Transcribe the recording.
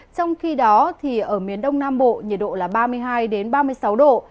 trong khi đó ở miền đông nam bộ nhiệt độ là ba mươi hai ba mươi sáu độ